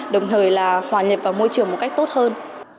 đồng thời là hòa nhập vào môi trường một cách tốt hơn